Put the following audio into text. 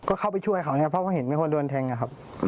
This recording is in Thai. ก็เข้าไปช่วยเขานะครับเพราะเห็นไม่ควรโดนแทงนะครับ